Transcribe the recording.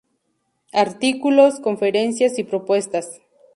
Artículos, conferencias y propuestas.